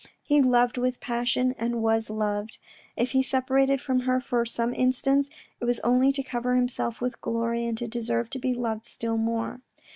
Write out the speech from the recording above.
He loved with passion, and was loved. If he separated from her for some instants, it was only to cover himself with glory, and to deserve to be loved still more.